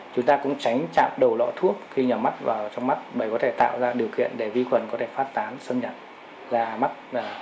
chúng ta cũng tránh chạm đầu lõ thuốc khi nhỏ mắt vào trong mắt để có thể tạo ra điều kiện để vi khuẩn có thể phát tán sớm nhặt ra mắt